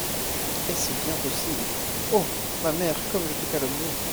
Est-ce bien possible ! oh ! ma mère, Comme je te calomniais !